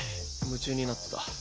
夢中になってた。